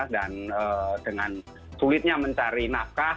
dan dengan sulitnya mencari nafkah